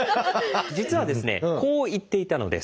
実はですねこう言っていたのです。